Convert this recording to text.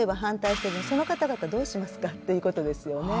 その方々どうしますかっていうことですよね。